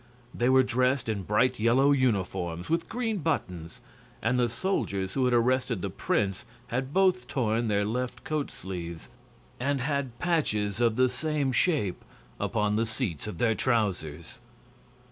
They were dressed in bright yellow uniforms with green buttons, and the soldiers who had arrested the prince had both torn their left coat sleeves and had patches of the same shape upon the seats of their trousers.